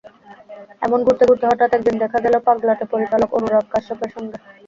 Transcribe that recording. এমন ঘুরতে ঘুরতে হঠাৎ একদিন দেখা হয়ে গেল পাগলাটে পরিচালক অনুরাগ কাশ্যপের সঙ্গে।